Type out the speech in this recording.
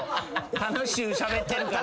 楽しゅうしゃべってるから。